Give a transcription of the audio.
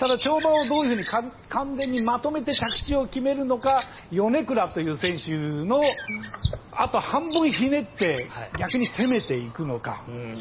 どういうふうに着地をまとめて決めるのか米倉という選手のあと半分ひねって逆に攻めていくのか。